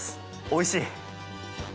おいしい！